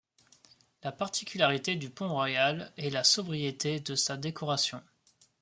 La particularité du pont Royal est la sobriété de sa décoration.